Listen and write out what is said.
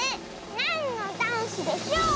「なんのダンスでしょう」！